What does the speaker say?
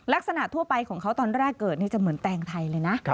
ทั่วไปของเขาตอนแรกเกิดจะเหมือนแตงไทยเลยนะ